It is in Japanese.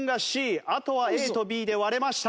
あとはＡとＢで割れました。